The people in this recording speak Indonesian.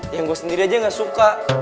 yang gue sendiri aja gak suka